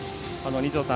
二條さん